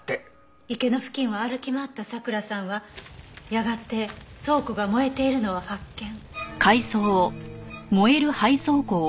池の付近を歩き回ったさくらさんはやがて倉庫が燃えているのを発見。